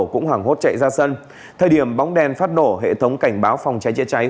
cũng hoảng hốt chạy ra sân thời điểm bóng đen phát nổ hệ thống cảnh báo phòng cháy chữa cháy